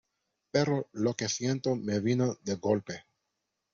pero lo que siento me vino de golpe